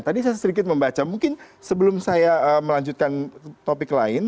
tadi saya sedikit membaca mungkin sebelum saya melanjutkan topik lain